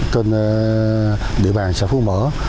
trên địa bàn xã phú mỡ